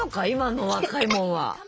今の若いもんは。